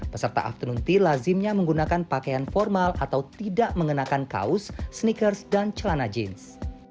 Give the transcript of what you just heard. peserta afternoon tea lazimnya menggunakan pakaian formal atau tidak mengenakan kaos sneakers dan celana jeans